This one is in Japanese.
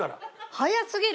早すぎる！